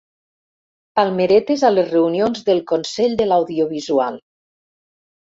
Palmeretes a les reunions del Consell de l'Audiovisual.